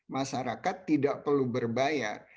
masyarakat tidak perlu berbayar